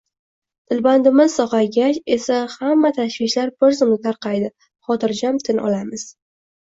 Dilbandimiz sog‘aygach esa hamma tashvishlar bir zumda tarqaydi, xotirjam tin olamiz.